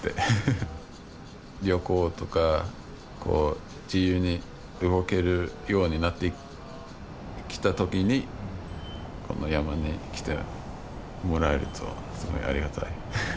旅行とか自由に動けるようになってきた時にこの山に来てもらえるとすごいありがたい。